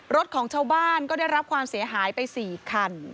รถของชาวบ้านก็ได้รับความเสียหายไป๔คัน